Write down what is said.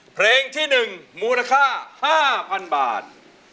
เพลงที่๑มูลค่า๕๐๐๐บาท